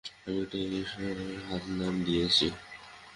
আমি এটাকে ঈশ্বরের হাত নাম দিয়েছি।